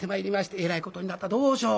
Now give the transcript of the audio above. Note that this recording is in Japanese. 「えらいことになったどうしよう。